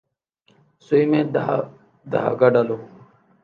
سوئی میں دھاگہ ڈالو